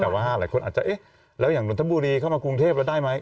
แต่ว่าหลายคนอาจจะเอ๊ะแล้วอย่างนนทบุรีเข้ามากรุงเทพแล้วได้ไหม